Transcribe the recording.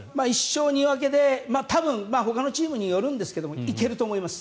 １勝２分けで多分ほかのチームによるんですけど行けると思います。